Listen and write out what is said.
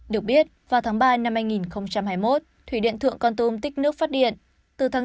được biết vào tháng ba năm hai nghìn hai mươi một thủy điện thượng con tùm tích nước phát điện